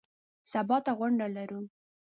سبا ته غونډه لرو .